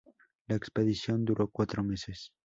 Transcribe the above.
La expedición duró cuatro meses.